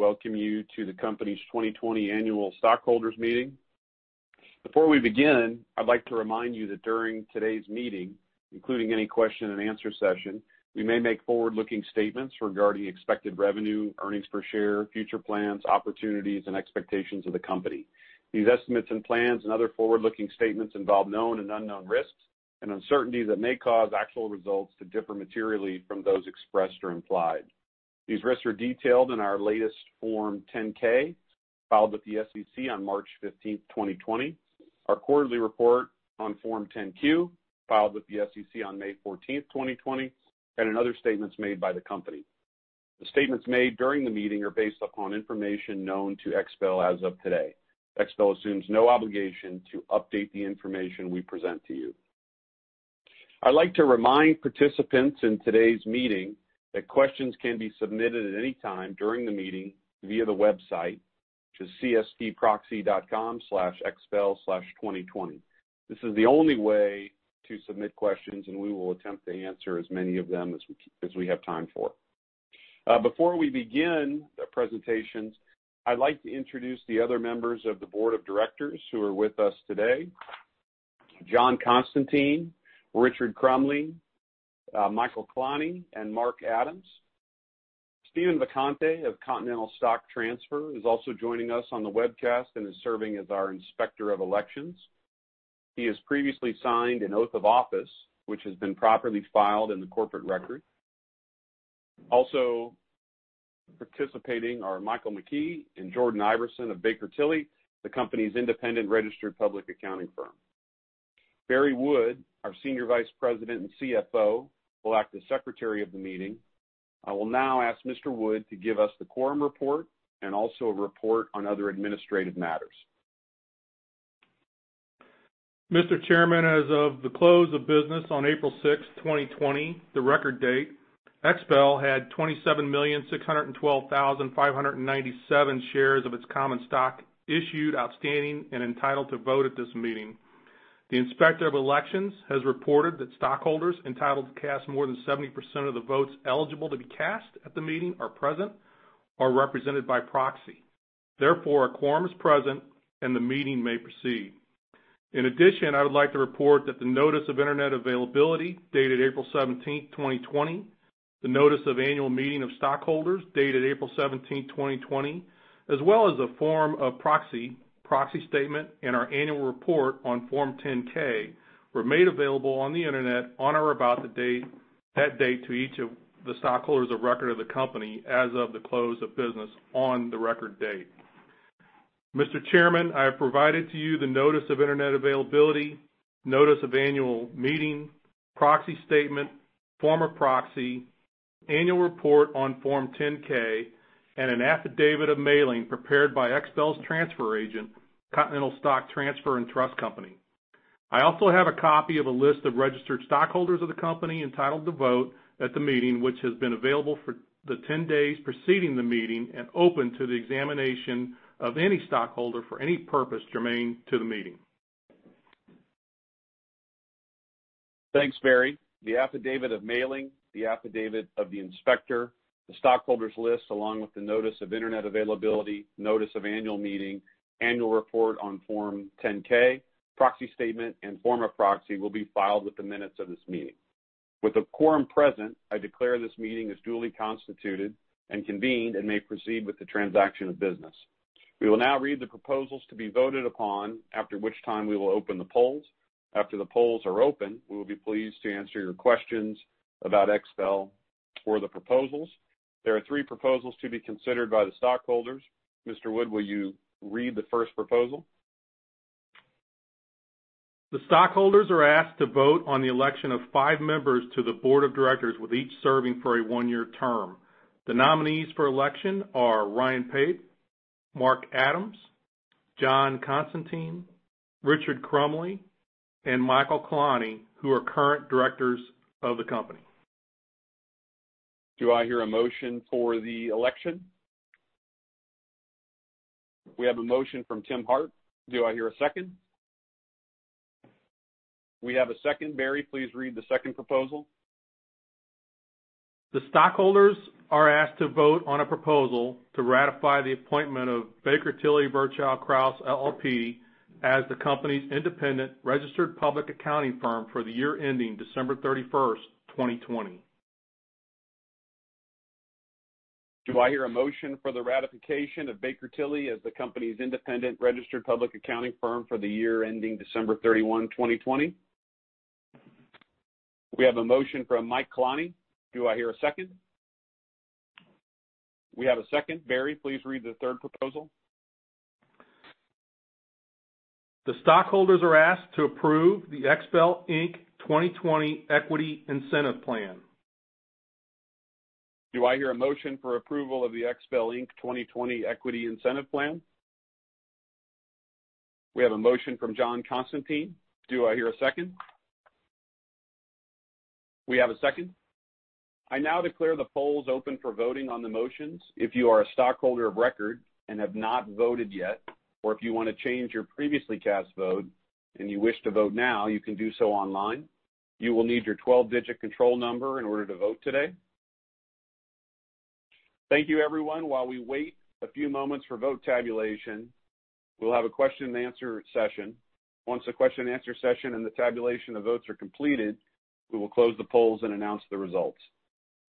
Welcome you to the company's 2020 Annual Stockholders Meeting. Before we begin, I'd like to remind you that during today's meeting, including any question and answer session, we may make forward-looking statements regarding expected revenue, earnings per share, future plans, opportunities, and expectations of the company. These estimates and plans and other forward-looking statements involve known and unknown risks and uncertainties that may cause actual results to differ materially from those expressed or implied. These risks are detailed in our latest Form 10-K, filed with the SEC on March 15, 2020, our quarterly report on Form 10-Q, filed with the SEC on May 14, 2020, and in other statements made by the company. The statements made during the meeting are based upon information known to XPEL as of today. XPEL assumes no obligation to update the information we present to you. I'd like to remind participants in today's meeting that questions can be submitted at any time during the meeting via the website, which is cstproxy.com/xpel/2020. This is the only way to submit questions, and we will attempt to answer as many of them as we have time for. Before we begin the presentations, I'd like to introduce the other members of the board of directors who are with us today, John Constantine, Richard Crumly, Michael Klonne, and Mark Adams. Steven Vacante of Continental Stock Transfer is also joining us on the webcast and is serving as our Inspector of Elections. He has previously signed an oath of office, which has been properly filed in the corporate record. Also participating are Michael McKee and Jordan Iverson of Baker Tilly, the company's independent registered public accounting firm. Barry Wood, our Senior Vice President and CFO, will act as secretary of the meeting. I will now ask Mr. Wood to give us the quorum report and also a report on other administrative matters. Mr. Chairman, as of the close of business on April 6th, 2020, the record date, XPEL had 27,612,597 shares of its common stock issued, outstanding, and entitled to vote at this meeting. The Inspector of Elections has reported that stockholders entitled to cast more than 70% of the votes eligible to be cast at the meeting are present or represented by proxy. Therefore, a quorum is present, and the meeting may proceed. In addition, I would like to report that the notice of Internet availability, dated April 17th, 2020, the notice of annual meeting of stockholders, dated April 17th, 2020, as well as a form of proxy statement, and our annual report on Form 10-K were made available on the Internet on or about that date to each of the stockholders of record of the company as of the close of business on the record date. Mr. Chairman, I have provided to you the notice of Internet availability, notice of annual meeting, proxy statement, form of proxy, annual report on Form 10-K, and an affidavit of mailing prepared by XPEL's transfer agent, Continental Stock Transfer and Trust Company. I also have a copy of a list of registered stockholders of the company entitled to vote at the meeting, which has been available for the ten days preceding the meeting and open to the examination of any stockholder for any purpose germane to the meeting. Thanks, Barry. The affidavit of mailing, the affidavit of the inspector, the stockholders list, along with the notice of Internet availability, notice of annual meeting, annual report on Form 10-K, proxy statement, and form of proxy will be filed with the minutes of this meeting. With a quorum present, I declare this meeting is duly constituted and convened and may proceed with the transaction of business. We will now read the proposals to be voted upon, after which time we will open the polls. After the polls are open, we will be pleased to answer your questions about XPEL or the proposals. There are three proposals to be considered by the stockholders. Mr. Wood, will you read the first proposal? The stockholders are asked to vote on the election of five members to the board of directors, with each serving for a one-year term. The nominees for election are Ryan Pape, Mark Adams, John Constantine, Richard Crumly, and Michael Klonne, who are current directors of the company. Do I hear a motion for the election? We have a motion from Tim Hartt. Do I hear a second? We have a second. Barry, please read the second proposal. The stockholders are asked to vote on a proposal to ratify the appointment of Baker Tilly Virchow Krause, LLP as the company's independent registered public accounting firm for the year ending December 31st, 2020. Do I hear a motion for the ratification of Baker Tilly as the company's independent registered public accounting firm for the year ending December 31, 2020? We have a motion from Mike Klonne. Do I hear a second? We have a second. Barry, please read the third proposal. The stockholders are asked to approve the XPEL Inc. 2020 Equity Incentive Plan. Do I hear a motion for approval of the XPEL, Inc. 2020 Equity Incentive Plan? We have a motion from John Constantine. Do I hear a second? We have a second. I now declare the polls open for voting on the motions. If you are a stockholder of record and have not voted yet, or if you want to change your previously cast vote and you wish to vote now, you can do so online. You will need your 12-digit control number in order to vote today. Thank you, everyone. While we wait a few moments for vote tabulation, we'll have a question and answer session. Once the question and answer session and the tabulation of votes are completed, we will close the polls and announce the results.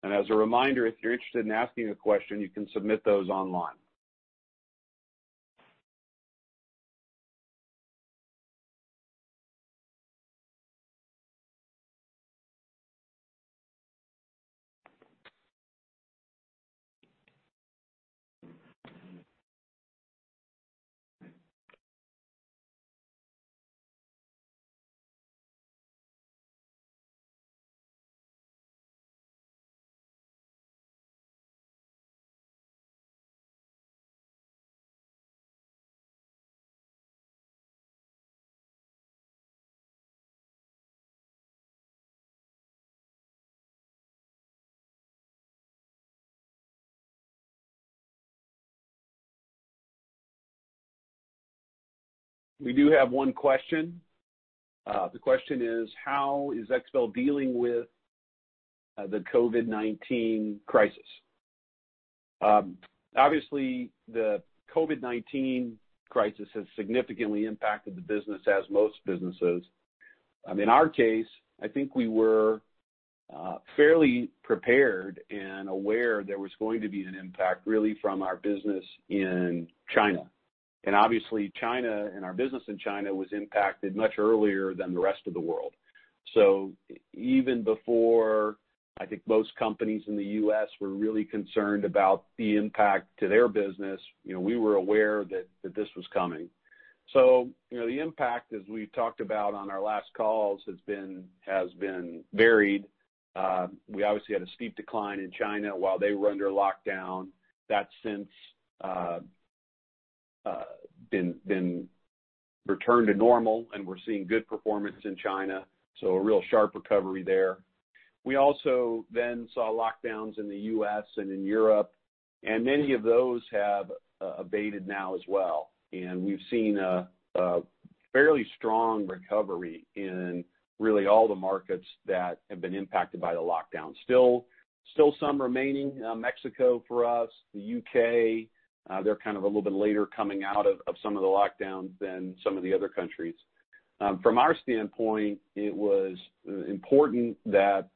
As a reminder, if you're interested in asking a question, you can submit those online. We do have one question. The question is: How is XPEL dealing with the COVID-19 crisis? Obviously, the COVID-19 crisis has significantly impacted the business, as most businesses. In our case, I think we were fairly prepared and aware there was going to be an impact, really from our business in China. Obviously, China and our business in China was impacted much earlier than the rest of the world. Even before, I think, most companies in the U.S. were really concerned about the impact to their business, we were aware that this was coming. The impact, as we've talked about on our last calls, has been varied. We obviously had a steep decline in China while they were under lockdown. That's since been returned to normal, and we're seeing good performance in China. A real sharp recovery there. We also saw lockdowns in the U.S. and in Europe, many of those have abated now as well. We've seen a fairly strong recovery in really all the markets that have been impacted by the lockdown. Still some remaining. Mexico for us, the U.K., they're kind of a little bit later coming out of some of the lockdowns than some of the other countries. From our standpoint, it was important that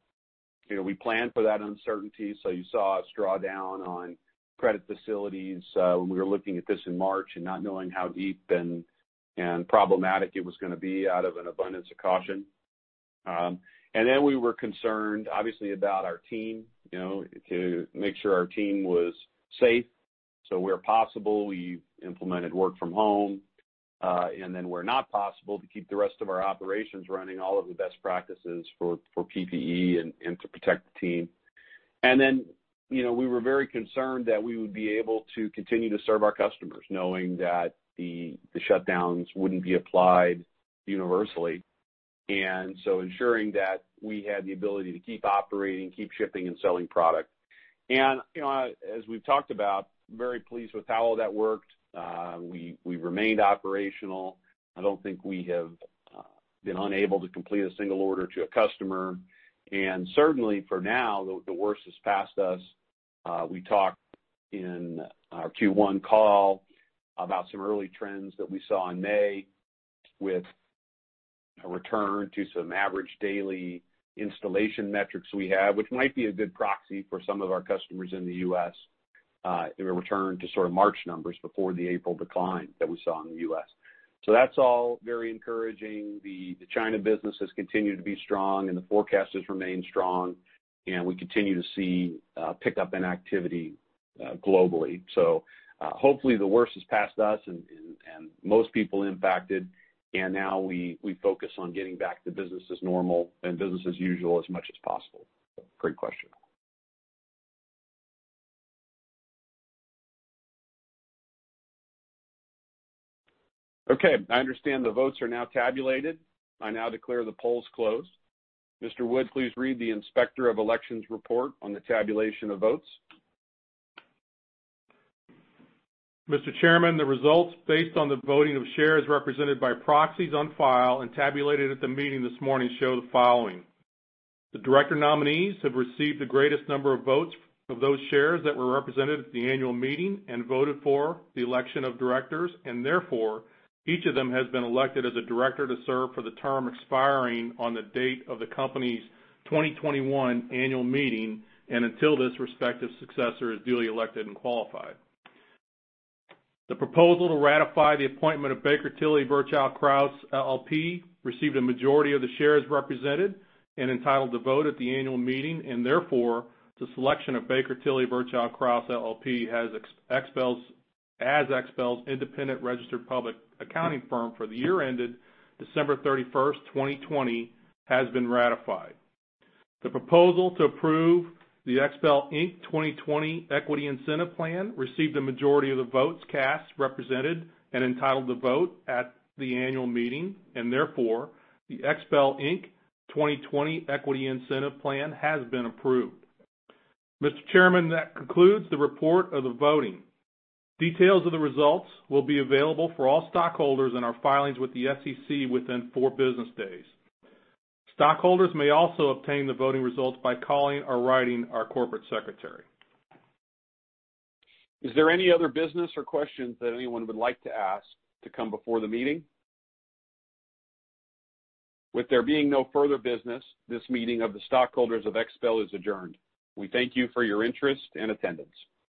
we plan for that uncertainty. You saw us draw down on credit facilities when we were looking at this in March and not knowing how deep and problematic it was going to be out of an abundance of caution. We were concerned, obviously, about our team, to make sure our team was safe. Where possible, we implemented work from home. Where not possible, to keep the rest of our operations running, all of the best practices for PPE and to protect the team. We were very concerned that we would be able to continue to serve our customers, knowing that the shutdowns wouldn't be applied universally. Ensuring that we had the ability to keep operating, keep shipping, and selling product. As we've talked about, very pleased with how all that worked. We remained operational. I don't think we have been unable to complete a single order to a customer. Certainly for now, the worst has passed us. We talked in our Q1 call about some early trends that we saw in May with a return to some average daily installation metrics we have, which might be a good proxy for some of our customers in the U.S., in a return to sort of March numbers before the April decline that we saw in the U.S. That's all very encouraging. The China business has continued to be strong, and the forecast has remained strong, and we continue to see a pickup in activity globally. Hopefully the worst is past us and most people impacted. Now we focus on getting back to business as normal and business as usual as much as possible. Great question. Okay, I understand the votes are now tabulated. I now declare the polls closed. Mr. Wood, please read the Inspector of Elections report on the tabulation of votes. Mr. Chairman, the results based on the voting of shares represented by proxies on file and tabulated at the meeting this morning show the following. The director nominees have received the greatest number of votes of those shares that were represented at the annual meeting and voted for the election of directors, and therefore, each of them has been elected as a director to serve for the term expiring on the date of the company's 2021 annual meeting and until his respective successor is duly elected and qualified. The proposal to ratify the appointment of Baker Tilly Virchow Krause, LLP received a majority of the shares represented and entitled to vote at the annual meeting, and therefore, the selection of Baker Tilly Virchow Krause, LLP as XPEL's independent registered public accounting firm for the year ended December 31st, 2020, has been ratified. The proposal to approve the XPEL, Inc. 2020 Equity Incentive Plan received a majority of the votes cast, represented and entitled to vote at the annual meeting, and therefore, the XPEL, Inc. 2020 Equity Incentive Plan has been approved. Mr. Chairman, that concludes the report of the voting. Details of the results will be available for all stockholders in our filings with the SEC within four business days. Stockholders may also obtain the voting results by calling or writing our corporate secretary. Is there any other business or questions that anyone would like to ask to come before the meeting? With there being no further business, this meeting of the stockholders of XPEL is adjourned. We thank you for your interest and attendance.